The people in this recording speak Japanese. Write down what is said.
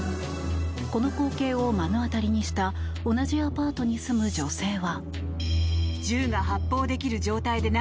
この光景を目の当たりにした同じアパートに住む女性は。